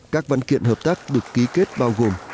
các văn kiện hợp tác được ký kết bao gồm